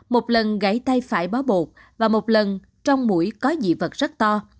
một lần gãy tay phải bó bột và một lần trong mũi có dị vật rất to